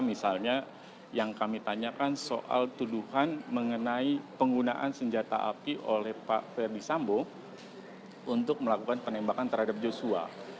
misalnya yang kami tanyakan soal tuduhan mengenai penggunaan senjata api oleh pak ferdisambo untuk melakukan penembakan terhadap joshua